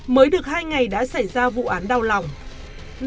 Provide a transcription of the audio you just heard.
mới được hai ngày đã xảy ra minh đã tự nhiên bị bệnh